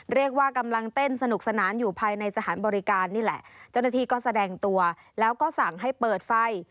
เรียกว่ากำลังเต้นสนุกสนานอยู่ภายในสถานบริการนี่แหละเจ้าหน้าที่ก็แสดงตัวแล้วก็สั่งให้เปิดไฟ